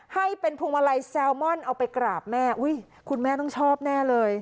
ให้เป็นพวงมาลัยแซลมอนเอาไปกราบแม่อุ้ยคุณแม่ต้องชอบแน่เลย